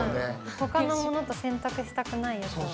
ほかのものと洗濯したくないやつ。